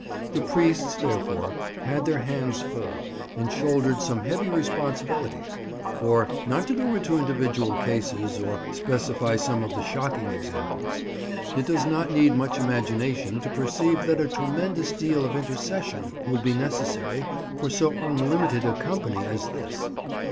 The priests, therefore, had their hands full, and shouldered some heavy responsibilities; for—not to go into individual cases, or specify some of the shocking examples—it does not need much imagination to perceive that a tremendous deal of intercession would be necessary for so unlimited a company as this.